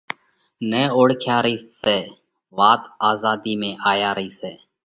نئہ اوۯکيا رئِي سئہ! وات آزاڌِي ۾ آيا رئِي سئہ!